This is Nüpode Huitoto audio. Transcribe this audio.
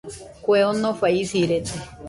Kue onofai isirede